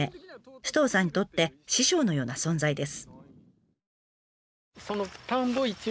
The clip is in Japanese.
首藤さんにとって師匠のような存在です。